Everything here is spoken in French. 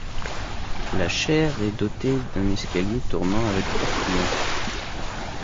La chaire est dotée d'un escalier tournant avec portillon.